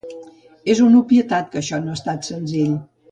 És una obvietat que això no ha estat senzill.